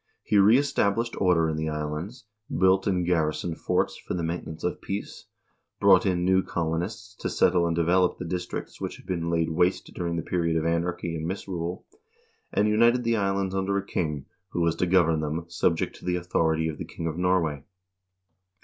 He reestablished order in the islands, built and garrisoned forts for the maintenance of peace, brought in new colonists to settle and develop the districts which had been laid waste during the period of anarchy and misrule, and united the islands under a king, who was to govern them, subject to the author ity of the king of Norway.